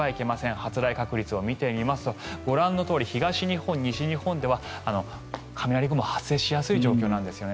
発雷確率を見てみますとご覧のように東日本、西日本では雷雲が発生しやすい状況なんですね。